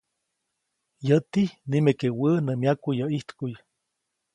Yäti nimeke wä nä myaku yäʼ ʼijtkuʼy.